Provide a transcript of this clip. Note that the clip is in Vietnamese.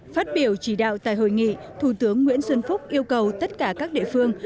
phát biểu chỉ đạo tại hội nghị thủ tướng nguyễn xuân phúc yêu cầu tất cả các địa phương